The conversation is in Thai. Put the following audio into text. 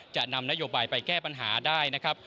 จะนำนโยบายไปแก้ปัญหาได้นะครับ